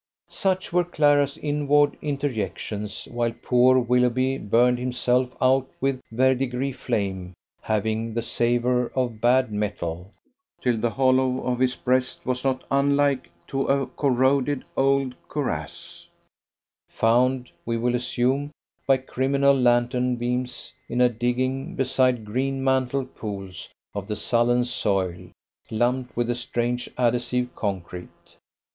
Such were Clara's inward interjections while poor Willoughby burned himself out with verdigris flame having the savour of bad metal, till the hollow of his breast was not unlike to a corroded old cuirass, found, we will assume, by criminal lantern beams in a digging beside green mantled pools of the sullen soil, lumped with a strange adhesive concrete.